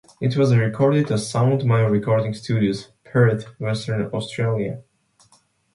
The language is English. It was recorded at Sound Mine Recording Studios, Perth, Western Australia.